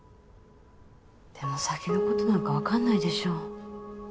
でも先のことなんか分かんないでしょう。